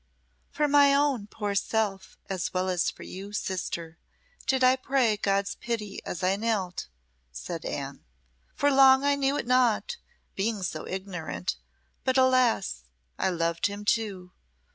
"For my own poor self as well as for you, sister, did I pray God's pity as I knelt," said Anne. "For long I knew it not being so ignorant but alas! I loved him too!